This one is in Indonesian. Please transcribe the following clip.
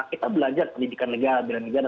kita belajar pendidikan negara bela negara